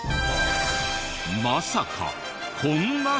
まさかこんな事まで。